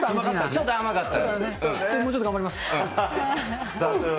ちょっと甘かった。